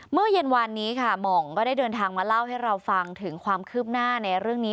เมื่อเย็นวันนี้ค่ะหม่องก็ได้เดินทางมาเล่าให้เราฟังถึงความคืบหน้าในเรื่องนี้